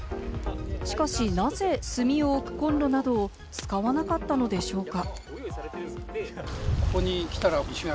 しかし、なぜ炭を置くコンロなどを使わなかったのでしょうか？